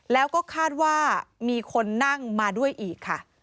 แล้วก็คาดว่ามีคนนั่งมาด้วยอีกค่ะ